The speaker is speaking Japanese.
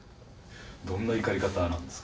どんな怒り方なんですか？